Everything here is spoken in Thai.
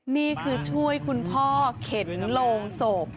นี่คือช่วยคุณพ่อเข็นโลงศพ